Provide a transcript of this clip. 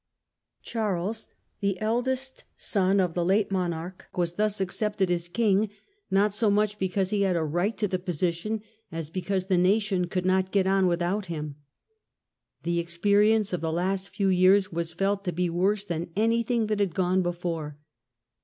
Charles, the eldest son of the late monarch, was thus accepted as king, not so much because he had a right to the position, as because the nation could not character get on without him.. The experience of the of the last few years was felt to be worse than any ^«»t°''a*»o° thing that had gone before.